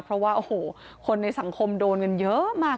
เพราะว่าโอ้โหคนในสังคมโดนกันเยอะมาก